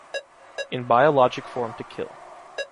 in biologic form to kill